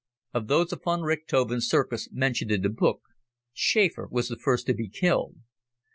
Of those of von Richthofen's circus mentioned in the book, Schäfer was the first to be killed.